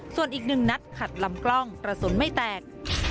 ส่วนอีกหนึ่งนัดขัดลำกล้องกระสุนไม่แตก